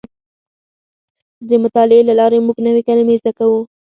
د مطالعې له لارې موږ نوې کلمې زده کوو.